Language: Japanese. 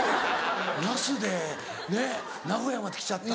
「ナスでねっ名古屋まで来ちゃった」。